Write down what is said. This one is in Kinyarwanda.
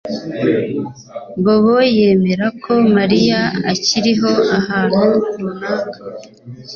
Bobo yemera ko Mariya akiriho ahantu runaka